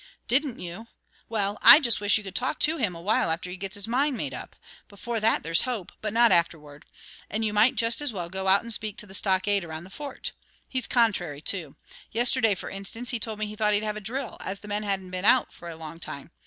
"Didn't you? Well, I just wish you could talk to him a while after he gets his mind made up. Before that, there's hope, but not afterward; and you might just as well go out and speak to the stockade around the Fort. He's contrary, too. Yesterday, for instance, he told me he thought he'd have drill, as the men hadn't been out for a long time.